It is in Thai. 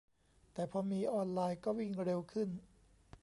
แต่พอมีออนไลน์ก็วิ่งเร็วขึ้น